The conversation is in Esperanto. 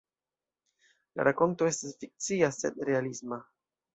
La rakonto estas fikcia, sed realisma.